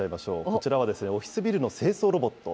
こちらはオフィスビルの清掃ロボット。